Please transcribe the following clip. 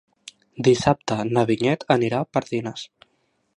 Dissabte na Vinyet anirà a Pardines.